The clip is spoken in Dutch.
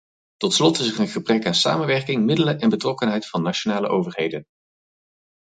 Tot slot is er een gebrek aan samenwerking, middelen en betrokkenheid van nationale overheden.